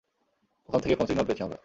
ওখান থেকেই phone signal পেয়েছি আমরা।